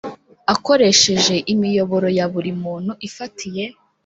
akoresheje imiyoboro ya buri muntu ifatiye